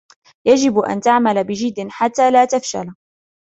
يجب أن تعمل بجد حتى لا تفشل.